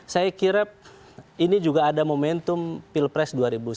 saya kira ini juga ada momentum pilpres dua ribu sembilan belas